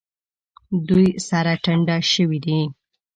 دوی سره ټنډه شوي دي.